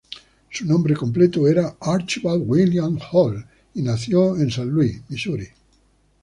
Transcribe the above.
Su nombre completo era Archibald Williams Hall, y nació en San Luis, Misuri.